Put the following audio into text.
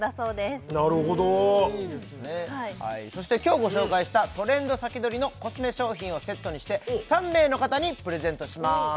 はいそして今日ご紹介したトレンド先取りのコスメ商品をセットにして３名の方にプレゼントします